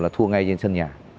là thua ngay trên sân nhà